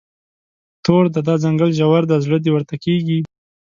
تور دی، دا ځنګل ژور دی، زړه دې ورته کیږي